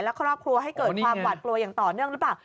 และครอบครัวให้เกิดความหวาดกลัวอย่างต่อเนื่องหรือเปล่า